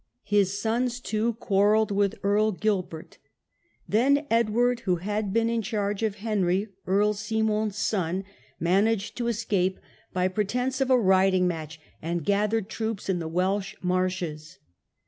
His sons, too, quarrelled with Earl Gilbert. Then Edward, who had been in charge of Henry, Earl Simon's son, managed 76 THE BATTLE OF EVESHAM. to escape by pretence of a riding match, and gathered troops in the Welsh marches.